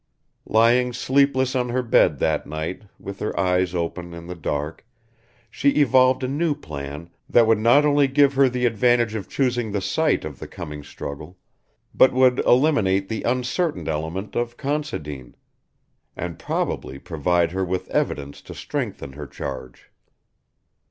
Lying sleepless on her bed that night with her eyes open in the dark she evolved a new plan that would not only give her the advantage of choosing the site of the coming struggle, but would eliminate the uncertain element of Considine and probably provide her with evidence to strengthen her charge.